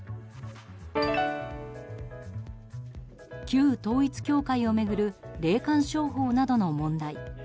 旧統一教会を巡る霊感商法などの問題。